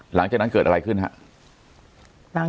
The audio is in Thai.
หลังจากนั้นเกิดอะไรขึ้นครับ